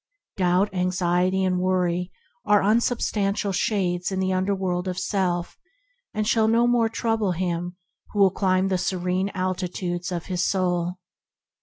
Doubt, anxiety, and worry are unsubstantial shades in the underworld of self; and shall no more trouble him who will climb the serene altitudes of his soul.